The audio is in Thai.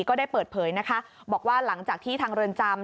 ก็ได้เปิดเผยนะคะบอกว่าหลังจากที่ทางเรือนจำ